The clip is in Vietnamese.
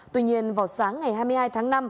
tuy nhiên vào sáng ngày hai mươi hai tháng năm